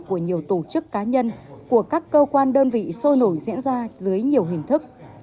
của nhiều tổ chức cá nhân của các cơ quan đơn vị sôi nổi diễn ra dưới nhiều hình thức